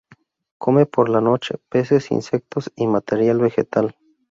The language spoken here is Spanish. Come, por la noche, peces, insectos y materia vegetal.